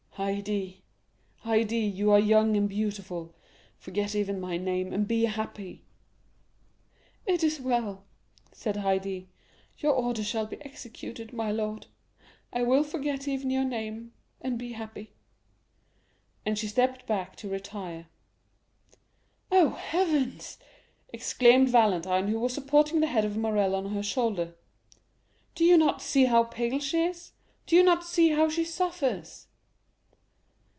"Haydée, Haydée, you are young and beautiful; forget even my name, and be happy." "It is well," said Haydée; "your order shall be executed, my lord; I will forget even your name, and be happy." And she stepped back to retire. "Oh, heavens," exclaimed Valentine, who was supporting the head of Morrel on her shoulder, "do you not see how pale she is? Do you not see how she suffers?"